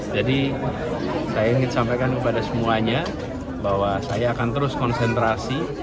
jadi saya ingin sampaikan kepada semuanya bahwa saya akan terus konsentrasi